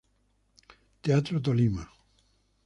Teatro Tolima.